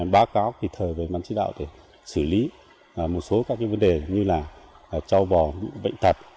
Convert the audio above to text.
báo cáo kịp thời về bản chỉ đạo để xử lý một số các vấn đề như là châu bò bệnh tật